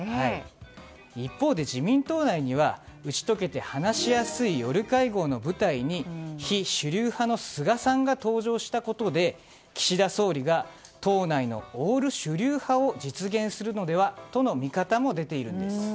一方で自民党内には打ち解けて話しやすい夜会合の舞台に非主流派の菅さんが登場したことで岸田総理が党内のオール主流派を実現するのではとの見方も出ているんです。